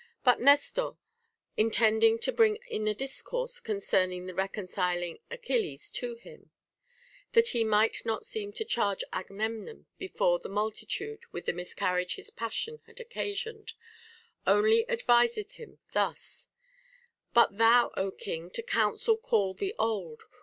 But Nestor, intending to bring in a discourse concerning the reconciling Achilles to him, that he might not seem to charge Agamemnon before the multitude with the miscar riage his passion had occasioned, only adviseth him thus :— But thou, Ο king, to council call the old.